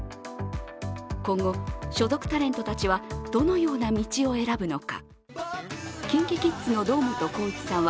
今後、所属タレントたちはどのような道を選ぶのか。